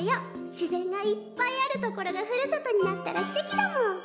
自然がいっぱいある所がふるさとになったらすてきだもん！